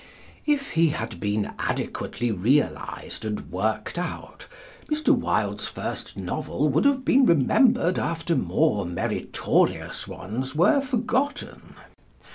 If he had been adequately realized and worked out, Mr. Wilde's first novel would have been remembered after more meritorious ones were forgotten.